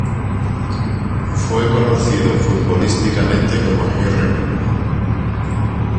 Fue conocido futbolísticamente como Agirre.